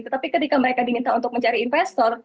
tetapi ketika mereka diminta untuk mencari investor